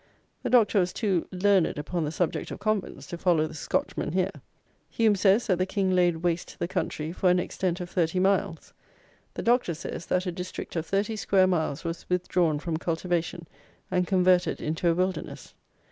The Doctor was too learned upon the subject of "convents" to follow the Scotchman here. Hume says that the King "laid waste the country for an extent of thirty miles." "The Doctor says that a district of thirty square miles was withdrawn from cultivation, and converted into a wilderness."